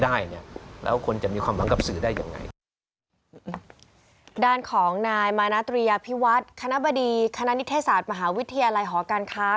ด้านของนายมาณาตรียภิวัฒน์คณะบดีคณะนิทธศาสตร์มหาวิทยาลัยหอการค้า